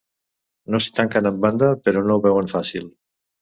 No s’hi tanquen en banda, però no ho veuen fàcil.